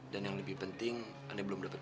dan yang lebih penting aneh belum dapat